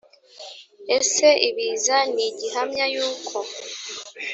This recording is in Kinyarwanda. ese ibiza ni gihamya y uko